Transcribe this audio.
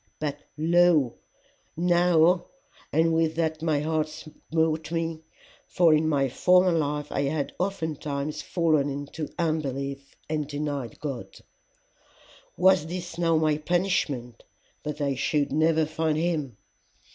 But lo, now And with that my heart smote me, for in my former life I had oftentimes fallen into unbelief and denied God: was this now my punishment that I should never find him?